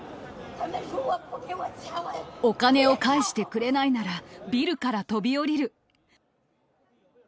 お金を返してくれないなら、ビルから飛び降りる。